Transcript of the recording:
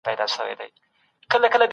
ما د ازادې مطالعې سره ډېره مینه پیدا کړه.